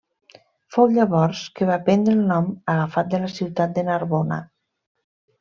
Fou llavors que va prendre el nom, agafat de la ciutat de Narbona.